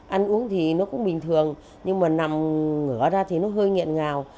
ăn uống thì nó cũng bình thường nhưng mà nằm ngửa ra thì nó hơi nghẹn ngào